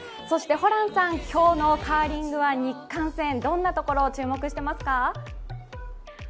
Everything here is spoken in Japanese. そしてホランさん、今日のカーリングは日韓戦どんなところを注目していますか？